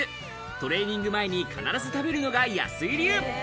トレーニング前に必ず食べるのが安井流。